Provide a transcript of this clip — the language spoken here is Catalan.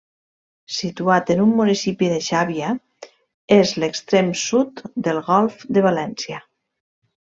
Situat en el municipi de Xàbia, és l'extrem sud del Golf de València.